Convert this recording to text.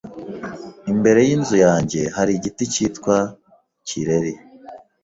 Imbere yinzu yanjye hari igiti cyitwa kireri.